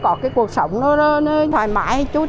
có cái cuộc sống nó thoải mái chút